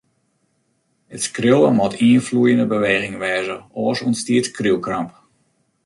It skriuwen moat ien floeiende beweging wêze, oars ûntstiet skriuwkramp.